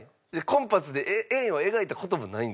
コンパスで円を描いた事もないんですか？